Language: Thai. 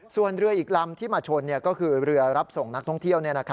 ส่วนเรืออีกลำที่มาชนก็คือเรือรับส่งนักท่องเที่ยว